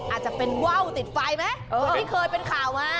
อาจจะเป็นว่าวติดไฟไหมเหมือนที่เคยเป็นข่าวมา